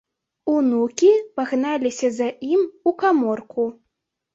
Унукі пагналіся за ім у каморку.